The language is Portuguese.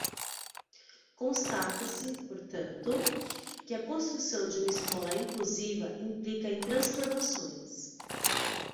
Constata-se, portanto, que a construção de uma escola inclusiva implica em transformações